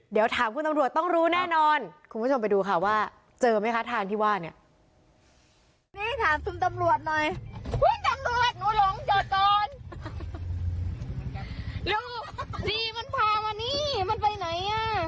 เดี๋ยวถามคุณตำรวจต้องรู้แน่นอนคุณผู้ชมไปดูค่ะว่าเจอไหมคะทางที่ว่าเนี่ย